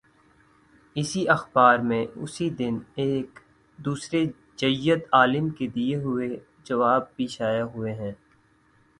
اسی اخبار میں، اسی دن، ایک دوسرے جید عالم کے دیے ہوئے جواب بھی شائع ہوئے ہیں۔